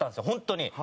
本当に。